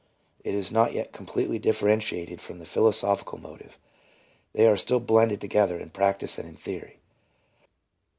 It is not yet completely differ entiated from the philosophical motive ; they are still blended together in practice and in theory.